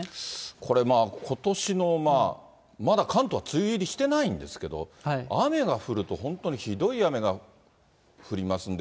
これ、ことしの、まだ関東は梅雨入りしてないんですけど、雨が降ると、本当にひどい雨が降りますんで。